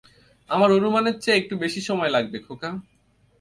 আমার অনুমানের চেয়ে একটু বেশি সময় লাগবে, খোকা।